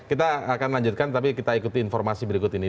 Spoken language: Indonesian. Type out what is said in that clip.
kita akan lanjutkan tapi kita ikuti informasi berikut ini